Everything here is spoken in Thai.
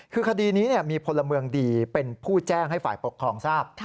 คือคดีนี้มีพลเมืองดีเป็นผู้แจ้งให้ฝ่ายปกครองทราบ